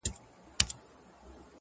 • رنګین الفاظ یې رخت و زېور دی -